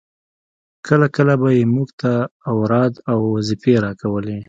کله کله به يې موږ ته اوراد او وظيفې راکولې.